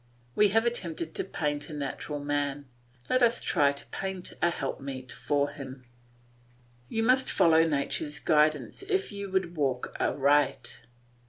We have attempted to paint a natural man, let us try to paint a helpmeet for him. You must follow nature's guidance if you would walk aright.